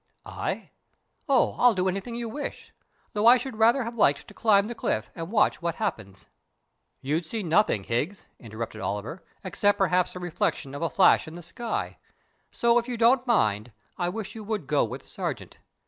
"I? Oh, I'll do anything you wish, though I should rather have liked to climb the cliff and watch what happens." "You'd see nothing, Higgs," interrupted Oliver, "except perhaps the reflection of a flash in the sky; so, if you don't mind, I wish you would go with the Sergeant.